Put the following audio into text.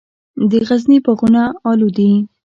د غزني باغونه الو دي